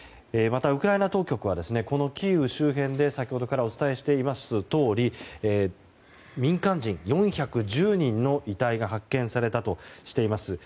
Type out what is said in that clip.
また、ウクライナ当局はこのキーウ周辺で先ほどからお伝えしていますとおり民間人４１０人の遺体が発見されたとしています。